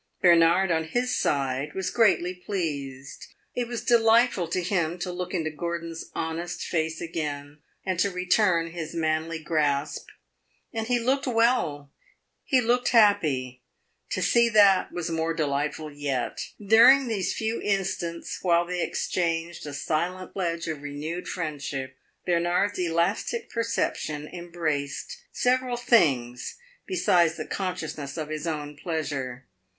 Bernard, on his side, was greatly pleased; it was delightful to him to look into Gordon's honest face again and to return his manly grasp. And he looked well he looked happy; to see that was more delightful yet. During these few instants, while they exchanged a silent pledge of renewed friendship, Bernard's elastic perception embraced several things besides the consciousness of his own pleasure.